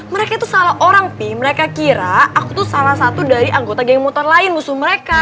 mereka itu salah orang pi mereka kira aku tuh salah satu dari anggota geng motor lain musuh mereka